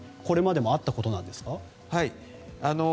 これまでもあったことなんですか。